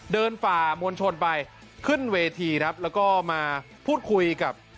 ฝ่ามวลชนไปขึ้นเวทีครับแล้วก็มาพูดคุยกับ